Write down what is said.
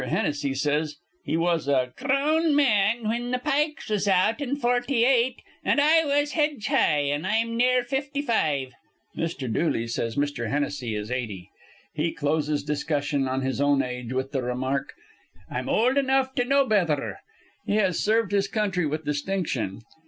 Hennessy says he was a "grown man whin th' pikes was out in forty eight, an' I was hedge high, an' I'm near fifty five." Mr. Dooley says Mr. Hennessy is eighty. He closes discussion on his own age with the remark, "I'm old enough to know betther." He has served his country with distinction.